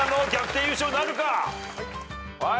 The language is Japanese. はい。